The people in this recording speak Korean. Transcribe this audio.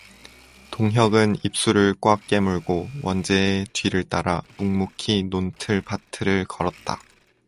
동혁은 입술을 꽉 깨물고 원재의 뒤를 따라 묵묵히 논틀 밭틀을 걸었다.